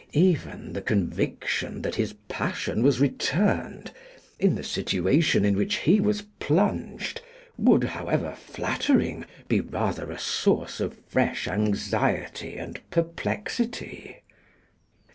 Even the conviction that his passion was returned, in the situation in which he was plunged, would, however flattering, be rather a source of fresh anxiety and perplexity.